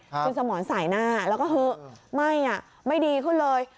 คุณสมอนใส่หน้าแล้วก็เฮ้อไม่อ่ะไม่ดีขึ้นเลย